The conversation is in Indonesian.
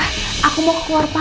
pak aku mau ke keluar pak